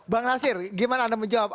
bang nasir gimana anda menjawab